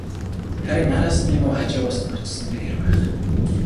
Харин араас нь юм уу, хажуугаас нь очсон нь дээр байх.